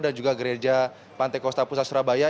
dan juga gereja pantai kosta pusat surabaya